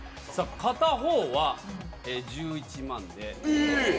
さあ、片方は、１１万？